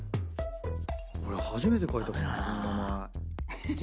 俺初めて書いたかも自分の名前。